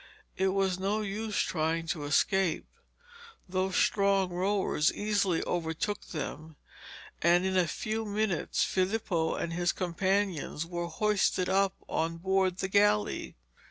It was no use trying to escape. Those strong rowers easily overtook them, and in a few minutes Filippo and his companions were hoisted up on board the galley.